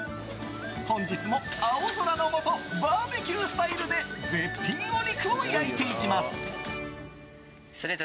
本日も青空のもとバーベキュースタイルで絶品お肉を焼いていきます。